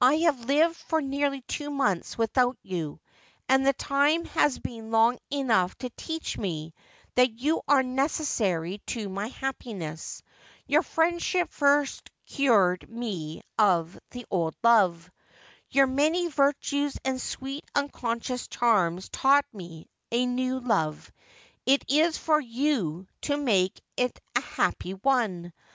I have lived for nearly two months without you, and the time has been long enough to teach me that you are necessary to my happi ness. Your friendship first cured me of the old love. Your many virtues and sweet, unconscious charms taught me a new love. It is for you to make it a happy one.